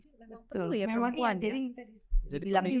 betul ya perempuan